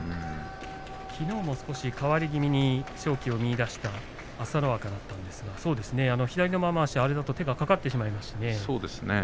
きのうも少し変わり気味に勝機を見いだした朝乃若だったんですが左のまわし手がかかってしまいますね。